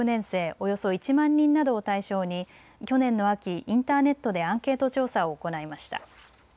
およそ１万人などを対象に去年の秋、インターネットでアンケート調査を行いました。